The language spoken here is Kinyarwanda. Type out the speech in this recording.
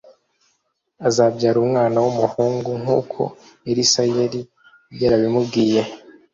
azabyara umwana w’umuhungu nkuko elisa yari yarabimubwiye